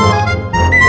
lalu pergi begitu